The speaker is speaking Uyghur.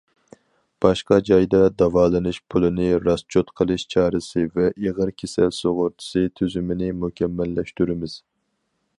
باشقا جايدا داۋالىنىش پۇلىنى راسچوت قىلىش چارىسى ۋە ئېغىر كېسەل سۇغۇرتىسى تۈزۈمىنى مۇكەممەللەشتۈرىمىز.